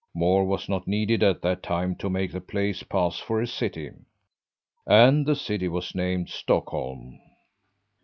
More was not needed at that time to make the place pass for a city. And the city was named Stockholm.